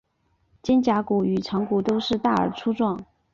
肩胛骨与肠骨都是大而粗壮。